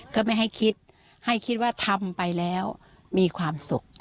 ก็ไม่ให้คิดให้คิดว่าทำไปแล้วมีความสุข